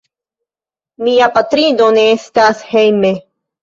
Mia patrino ne estas hejme.